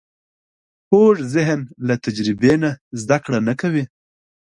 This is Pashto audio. کوږ ذهن له تجربې نه زده کړه نه کوي